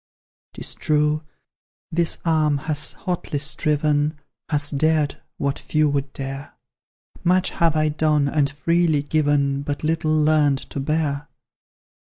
"'Tis true, this arm has hotly striven, Has dared what few would dare; Much have I done, and freely given, But little learnt to bear!